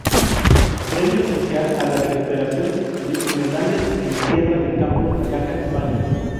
Premio Social a la Recuperación de humedales en Tierra de Campos de Caja España.